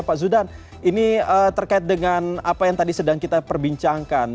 pak zudan ini terkait dengan apa yang tadi sedang kita perbincangkan